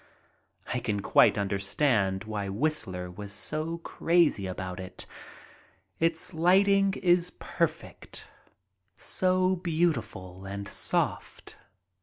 I can quite understand why Whistler was so crazy about it. Its lighting is perfect — so beautiful and soft.